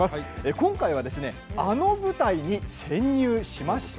今回はあの舞台に潜入しました。